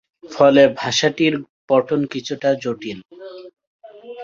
ফলে ভাষাটির পঠন কিছুটা জটিল।